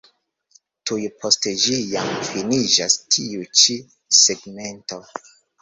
Tuj post ĝi jam finiĝas tiu ĉi segmento.